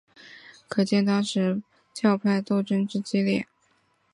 可见当时教派斗争之激烈。